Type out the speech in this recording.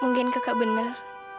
mungkin kakak bener